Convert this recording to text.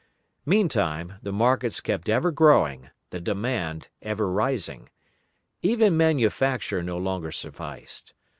Meantime the markets kept ever growing, the demand ever rising. Even manufacture no longer sufficed.